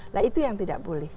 nah itu yang tidak boleh